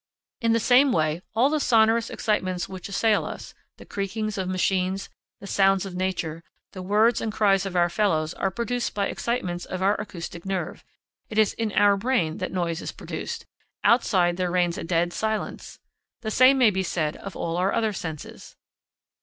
In the same way, all the sonorous excitements which assail us, the creakings of machines, the sounds of nature, the words and cries of our fellows are produced by excitements of our acoustic nerve; it is in our brain that noise is produced, outside there reigns a dead silence. The same may be said of all our other senses.